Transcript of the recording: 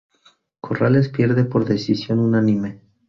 Corrales pierde por decisión unánime.